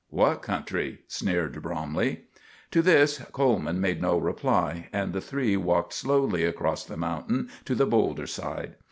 "What country?" sneered Bromley. To this Coleman made no reply, and the three walked slowly across the mountain to the boulder side.